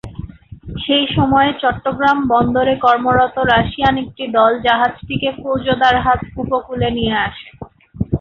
সেই সময়ে চট্টগ্রাম বন্দরে কর্মরত রাশিয়ান একটি দল জাহাজটিকে ফৌজদার হাট উপকূলে নিয়ে আসে।